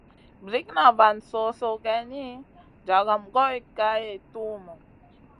Brikŋa van so-soh geyni, jagam goy kay tuhmu.